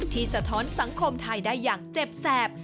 สะท้อนสังคมไทยได้อย่างเจ็บแสบ